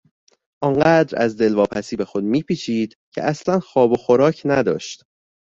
آنقدر از دلواپسی به خود میپیچید که اصلا خواب و خوراک نداشت.